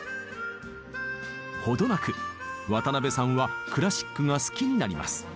程なく渡辺さんはクラシックが好きになります。